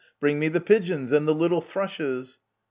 Bring me the pigeons and the little thrushes